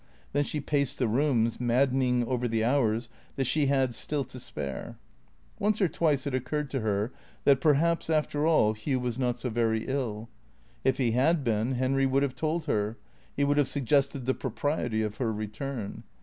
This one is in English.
Then she paced the room, maddening over the hours that she had still to spare. Once or twice it occurred to her that perhaps, after all, Hugh was not so very ill If he had been Henry would have told her. He would have suggested the propriety of her return.